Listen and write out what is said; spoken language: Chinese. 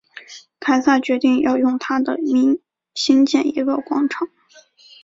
凯撒决定要用他的名兴建一个广场。